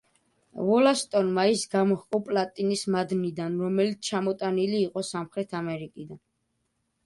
ვოლასტონმა ის გამოჰყო პლატინის მადნიდან, რომელიც ჩამოტანილი იყო სამხრეთ ამერიკიდან.